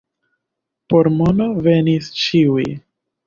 Por mono venis ĉiuj.